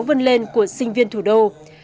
vân lên của sinh viên thủ đô